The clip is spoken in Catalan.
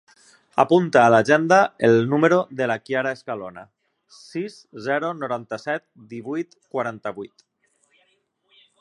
Apunta a l'agenda el número de la Chiara Escalona: sis, zero, noranta-set, divuit, quaranta-vuit.